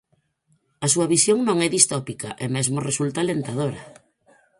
A súa visión non é distópica e mesmo resulta alentadora.